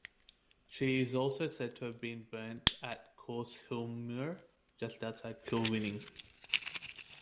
She is also said to have been burnt at Corsehillmuir, just outside Kilwinning.